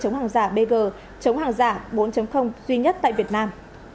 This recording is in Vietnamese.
cơ quan xác lập kỷ lục công nghệ chống hàng giả bg chống hàng giả bốn duy nhất tại việt nam